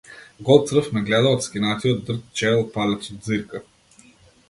Гол црв ме гледа од скинатиот дрт чевел палецот ѕирка.